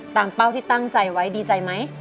เป้าที่ตั้งใจไว้ดีใจไหม